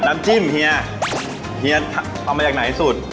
น้ำจิ้มเฮียเฮียเอามาจากไหนสุด